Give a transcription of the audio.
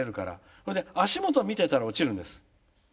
それで足元見てたら落ちるんです。